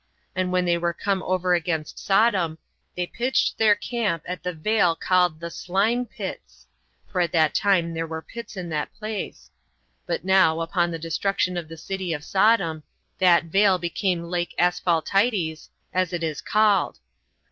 And when they were come over against Sodom, they pitched their camp at the vale called the Slime Pits, for at that time there were pits in that place; but now, upon the destruction of the city of Sodom, that vale became the Lake Asphaltites, as it is called.